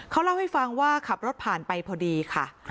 เขาเล่าให้ฟังว่าขับรถผ่านไปพอดีค่ะ